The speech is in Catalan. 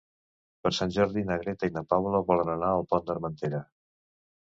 Per Sant Jordi na Greta i na Paula volen anar al Pont d'Armentera.